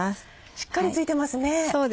しっかりついてますね！